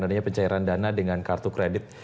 adanya pencairan dana dengan kartu kredit